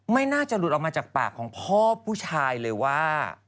ไม่น่าจะหลุดออกมาจากปากของพ่อผู้ชายเลยว่า